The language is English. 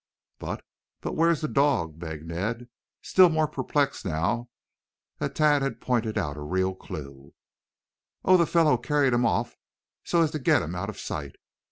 "But but, where is the dog?" begged Ned, still more perplexed now that Tad had pointed out a real clew. "Oh, the fellow carried him off so as to get him out of sight.